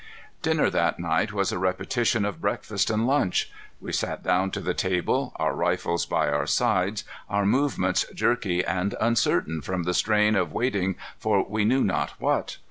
Dinner that night was a repetition of breakfast and lunch. We sat down to the table, our rifles by our sides, our movements jerky and uncertain from the strain of waiting for we knew not what.